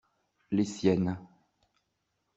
Les siennes.